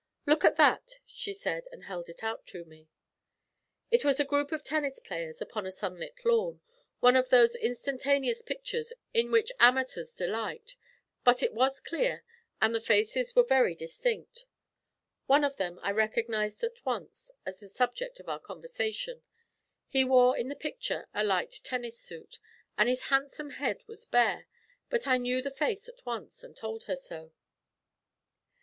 'Look at that,' she said, as she held it out to me. It was a group of tennis players upon a sunlit lawn, one of those instantaneous pictures in which amateurs delight; but it was clear and the faces were very distinct. One of them I recognised at once as the subject of our conversation. He wore in the picture a light tennis suit, and his handsome head was bare; but I knew the face at once, and told her so.